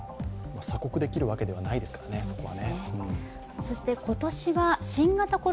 鎖国できるわけではないですからね、そこは。